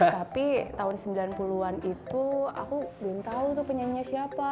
tapi tahun sembilan puluh an itu aku belum tahu tuh penyanyinya siapa